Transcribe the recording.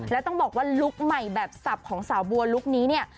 แล้วต้องบอกว่าลุคใหม่แบบสับของสาวบัวลุคนี้เนี่ย